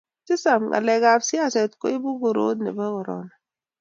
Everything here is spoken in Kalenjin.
tisap, ngalekab siaset koibu korot nebo corona